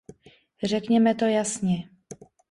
Řekněme to jasně.